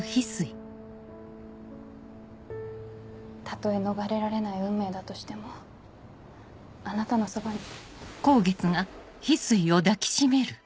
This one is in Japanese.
たとえ逃れられない運命だとしてもあなたのそばに。